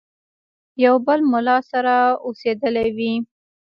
یو بل مُلا سره اوسېدلی وي.